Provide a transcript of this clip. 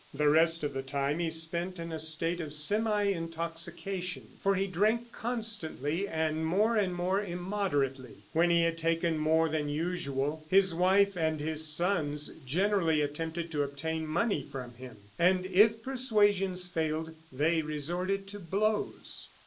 The rest of the time he spent in a state of semi intoxication, for he drank constantly and more and more immoderately. When he had taken more than usual, his wife and his sons generally attempted to obtain money from him, and if persuasions failed they resorted to blows.